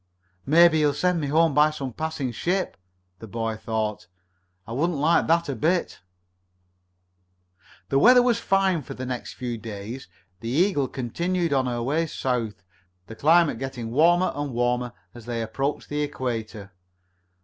"Maybe he'll send me home by some passing ship," the boy thought, "and I wouldn't like that a bit." The weather was fine for the next few days. The Eagle continued on her way south, the climate getting warmer and warmer as they approached the equator.